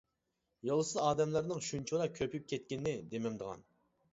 يولسىز ئادەملەرنىڭ شۇنچىۋالا كۆپىيىپ كەتكىنىنى دېمەمدىغان!